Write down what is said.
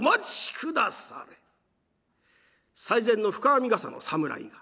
最前の深編みがさの侍が。